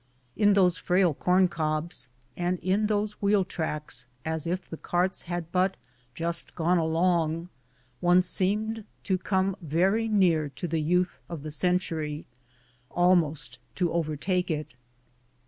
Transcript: In those frail corn cobs and in those wheel tracks as if the carts had but just gone along, one 244 IN MAMMOTH CAVE seemed to come very near to the youth of the century, almost to overtake it.